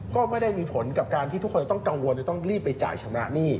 ก็ไม่ได้มีผลกับการที่ทุกคนต้องกังวลจะต้องรีบไปจ่ายชำระหนี้